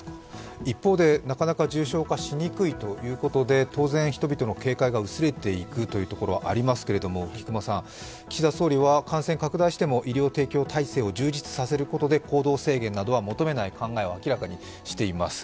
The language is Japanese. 一方で、なかなか重症化しにくいということで当然、人々の警戒が薄れていくというところはありますけど、岸田総理は、感染が拡大しても医療提供体制を充実させることで行動制限などは求めない考えを明らかにしています。